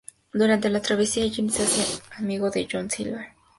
Durante la travesía, Jim se hace amigo de John Silver, el cocinero del navío.